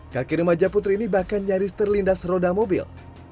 kaki remaja putri ini bahkan nyaris terlindas roda mobil